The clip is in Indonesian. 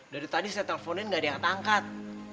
dari tadi saya telponin nggak ada yang tangkat